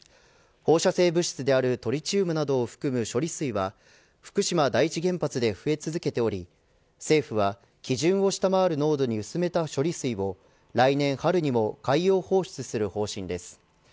放射性物質であるトリチウムなどを含む処理水は福島第一原発で増え続けており政府は、基準を下回る濃度に薄めた処理水を来年春にも海洋放出する方針です。